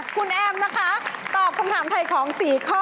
คุณแอมนะคะตอบคำถามถ่ายของ๔ข้อ